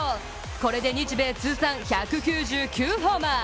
これで日米通算１９９ホーマー。